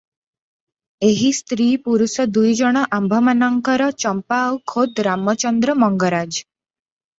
ଏହି ସ୍ତ୍ରୀ ପୁରୁଷ ଦୁଇ ଜଣ ଆମ୍ଭମାନଙ୍କର ଚମ୍ପା ଆଉ ଖୋଦ୍ ରାମଚନ୍ଦ୍ର ମଙ୍ଗରାଜ ।